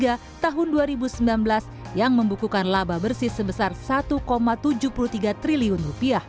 pada tahun dua ribu sembilan belas yang membukukan laba bersih sebesar rp satu tujuh puluh tiga triliun